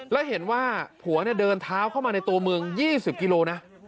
แล้วเห็นว่าผัวเดินเท้าเข้ามาในตัวเมือง๒๐กิโลนะ